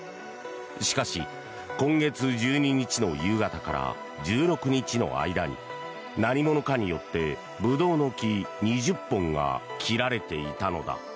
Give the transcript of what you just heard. しかし、今月１２日の夕方から１６日の間に何者かによってブドウの木２０本が切られていたのだ。